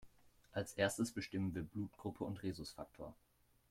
Als Erstes bestimmen wir Blutgruppe und Rhesusfaktor.